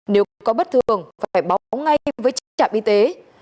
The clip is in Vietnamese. nếu có bất thường phải báo ngay với chính trạm y tế